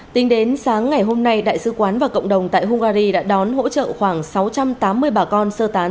tính đến sáng ngày hôm nay đại sứ quán và cộng đồng tại hungary đã đón hỗ trợ khoảng sáu trăm tám mươi bà con sơ tán